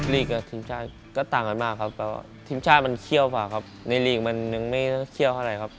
ลีกกับทีมชาติก็ต่างกันมากครับแต่ว่าทีมชาติมันเคี่ยวกว่าครับในลีกมันยังไม่น่าเคี่ยวเท่าไหร่ครับ